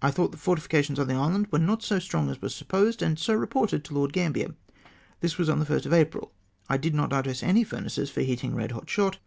I thought the fortifications on the island were not so strong as we supposed, and so reported to Lord Grambier. This was on the 1st of April. I did not notice any furnaces for heating red hot shot.